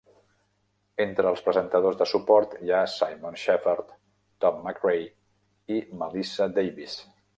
Entre els presentadors de suport hi ha Simon Shepherd, Tom McRae i Melissa Davies.